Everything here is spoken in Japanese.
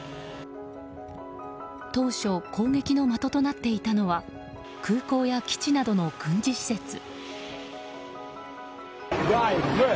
当初、攻撃の的となっていたのは空港や基地などの軍事施設。